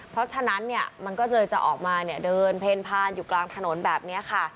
เพราะฉะนั้นมันก็เลยจะออกมาเดินเพลินผ่านอยู่กลางถนนแบบนี้ค่ะ